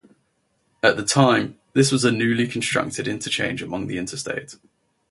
At the time, this was a newly constructed interchange along the Interstate.